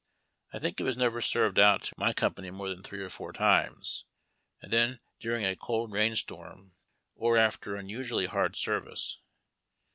I think it was never served out to my com pany more than three or four times, and then during a cold rainstorm or after unusually hard service.